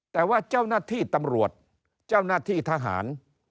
แต่ว่าเจ้าหน้าที่ตำรวจเจ้าหน้าที่ทหาร